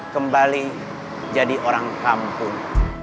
kembali jadi orang kampung